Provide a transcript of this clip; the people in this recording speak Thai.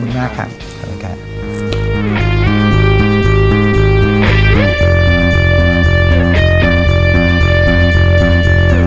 ขอบคุณมากค่ะขอบคุณกัน